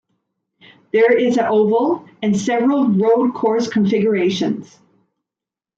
There is a oval, and several road course configurations.